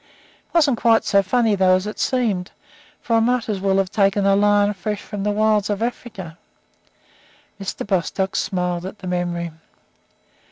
It wasn't quite so funny, though, as it seemed, for I might as well have taken a lion fresh from the wilds of Africa." Mr. Bostock smiled at the memory.